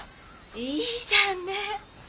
いいじゃんね！